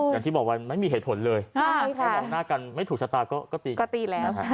อย่างที่บอกวันไม่มีเหตุผลเลยแค่มองหน้ากันไม่ถูกชะตาก็ตีก็ตีแล้ว